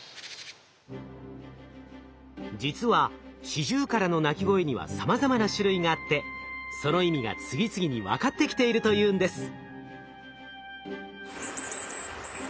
実はシジュウカラの鳴き声にはさまざまな種類があってその意味が次々に分かってきているというんです。